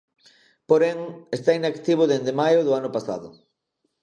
Porén, está inactivo dende maio do pasado ano.